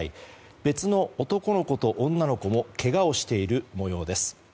別の男の子と女の子もけがをしている模様です。